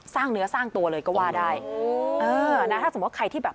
สร้างเนื้อสร้างตัวเลยก็ว่าได้เออนะถ้าสมมุติใครที่แบบ